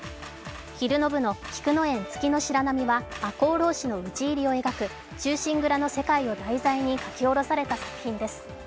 昼の部の「菊宴月白浪」は、赤穂浪士の討ち入りを描く「忠臣蔵」の世界を題材に書き下ろされた作品です。